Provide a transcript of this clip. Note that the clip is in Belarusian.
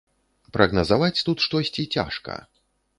Прагназаваць тут штосьці цяжка.